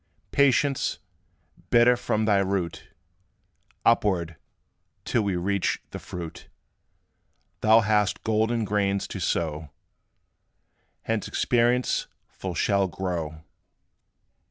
Patience, bitter from thy root Upward, till we reach the fruit, Thou hast golden grains to sow, Whence Experience full shall grow.